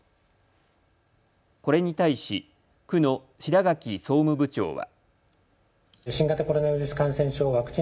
これに対し区の白垣総務部長は。